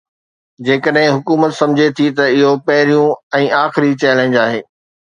جيڪڏهن حڪومت سمجهي ٿي ته اهو پهريون ۽ آخري چئلينج آهي.